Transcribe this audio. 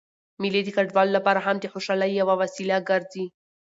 مېلې د کډوالو له پاره هم د خوشحالۍ یوه وسیله ګرځي.